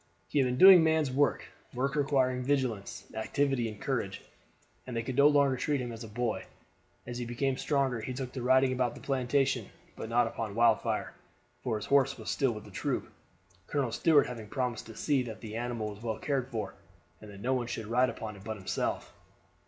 He had been doing man's work: work requiring vigilance, activity, and courage, and they could no longer treat him as a boy. As he became stronger he took to riding about the plantation; but not upon Wildfire, for his horse was still with the troop, Colonel Stuart having promised to see that the animal was well cared for, and that no one should ride upon it but himself.